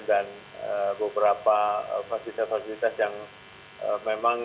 dan beberapa fasilitas fasilitas yang memang